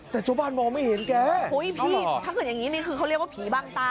แต่เจ้าบ้านมองไม่เห็นแกอุ้ยพี่ถ้าเกิดอย่างนี้นี่คือเขาเรียกว่าผีบางตา